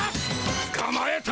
つかまえた！